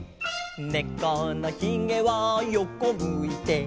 「ねこのひげは横むいて」